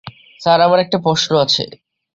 Sir, আমার একটা প্রশ্ন আছে!